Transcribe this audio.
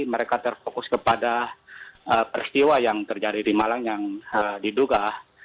mereka terfokus kepada peristiwa yang terjadi di malang yang diduga